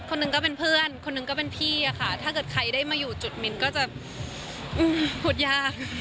คนหนึ่งก็เป็นเพื่อนคนหนึ่งก็เป็นพี่อะค่ะถ้าเกิดใครได้มาอยู่จุดมิ้นก็จะพูดยาก